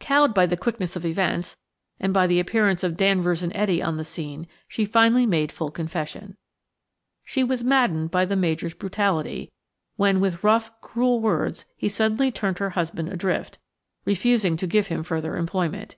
Cowed by the quickness of events, and by the appearance of Danvers and Etty on the scene, she finally made full confession. She was maddened by the Major's brutality, when with rough, cruel words he suddenly turned her husband adrift, refusing to give him further employment.